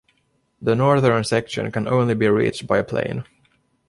The Northern section can only be reached by plane.